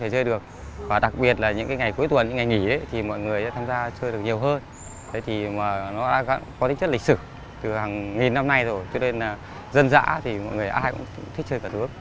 câu lạc bộ có tính chất lịch sử từ hàng nghìn năm nay rồi cho nên là dân dã thì mọi người ai cũng thích chơi cờ tướng